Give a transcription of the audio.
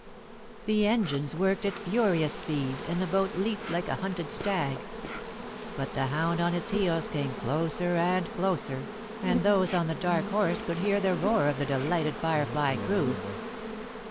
The engines worked at furious speed, and the boat leaped like a hunted stag. But the hound on its heels came closer and closer, and those on The Dark Horse could hear the roar of the delighted Firefly crew.